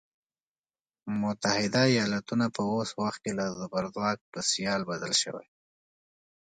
متحده ایالتونه په اوس وخت کې له زبرځواک په سیال بدل شوی.